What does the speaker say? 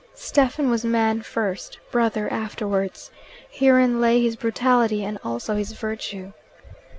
Stephen was man first, brother afterwards. Herein lay his brutality and also his virtue.